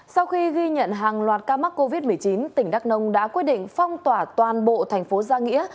sau khi ghi nhận hàng loạt ca mắc covid một mươi chín tỉnh đắk nông đã quyết định phong tỏa toàn bộ thành phố giang nghĩa